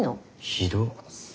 ひどっ。